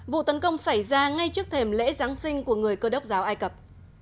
vụ tấn công xảy ra ngay trước thềm lễ giáng sinh của người cơ đốc giáo ai cập